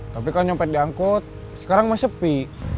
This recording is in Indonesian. tapi kalau nyampet diangkut sekarang mah sepi